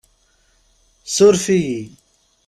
Suref-iyi!